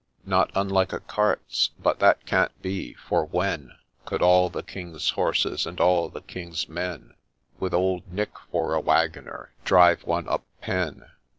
Not unlike a cart's, — but that can't be ; for when Could ' all the King's horses, and all the King's men,* With Old Nick for a waggoner, drive one up ' PEN